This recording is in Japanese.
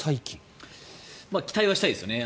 期待はしたいですよね。